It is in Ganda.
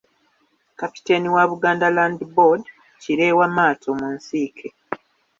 Kapiteeni wa Buganda Land Board, Kireewa Maato mu nsiike.